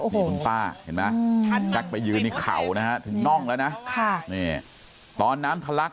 มีคุณป้าแซ็คไปยืนในเขานะถึงน่องแล้วนะค่ะตอนน้ำทะลัก